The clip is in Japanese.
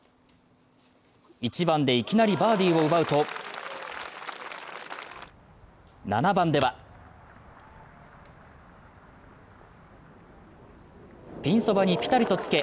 １番で、いきなりバーディーを奪うと７番ではピンそばにピタリとつけ